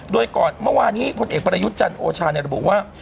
โดยก่อนเมื่อวานี้พลเอกประยุทธ์จันทร์โอชาระบุว่า